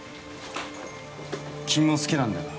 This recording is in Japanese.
君も好きなんだよな？